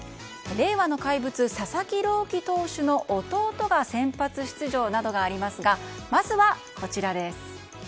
令和の怪物佐々木朗希投手の弟が先発出場などがありますがまずは、こちらです。